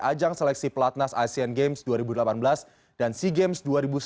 ajang seleksi pelatnas asian games dua ribu delapan belas dan sea games dua ribu sembilan belas